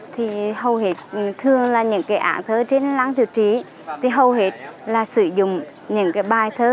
thì hầu hết thường là những cái án thơ trên lăng thiệu trí thì hầu hết là sử dụng những cái bài thơ